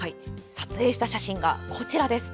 撮影した写真が、こちら。